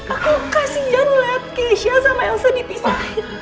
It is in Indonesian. aku kasih janu liat keisha sama yang sedih pisahin